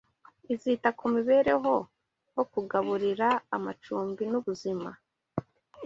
izita ku mibereho nko kugaburira amacumbi nubuzima